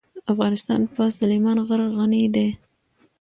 افغانستان په سلیمان غر غني دی.